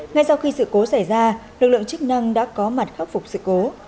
ngay sau khi sự cố xảy ra lực lượng chức năng đã có mặt khắc phục sự cố